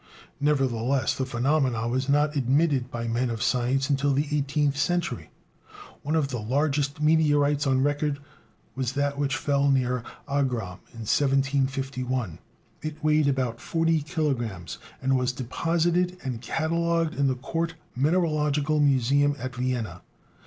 Nevertheless, the phenomenon was not admitted by men of science until the eighteenth century. One of the largest meteorites on record was that which fell near Agram in 1751; it weighed about forty kilogrammes, and was deposited and catalogued in the court mineralogical museum at Vienna.